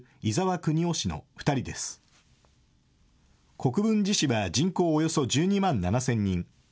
国分寺市は、人口およそ１２万７０００人。